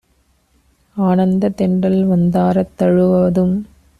ஆனந்தத் தென்றல்வந் தாரத் தழுவுவதும்